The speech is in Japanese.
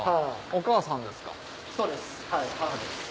お母さんですか？